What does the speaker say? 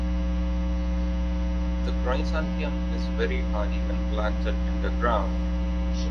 The chrysanthemum is very hardy when planted in the ground.